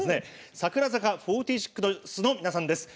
櫻坂４６の皆さんです。